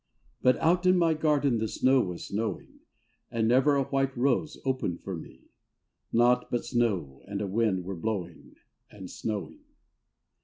— But out in my garden the snow was snowing And never a white rose opened for me. Nought but snow and a wind were blowing And snowing.